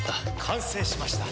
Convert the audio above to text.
完成しました。